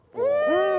うん！